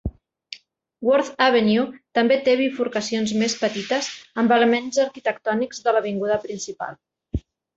Worth Avenue també té bifurcacions més petites amb elements arquitectònics de l"avinguda principal.